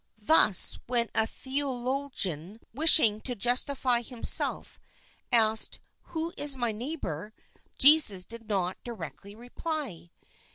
Thus, when a theologian wishing to justify himself, asked Who is my neighbour ? Jesus did not directly reply.